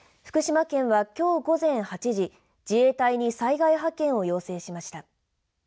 福島県は、きょう午前８時自衛隊に災害派遣を要請しました。